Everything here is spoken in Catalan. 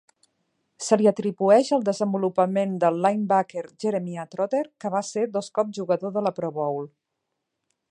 Se li atribueix el desenvolupament del linebacker Jeremiah Trotter que va ser dos cops jugador de la Pro Bowl.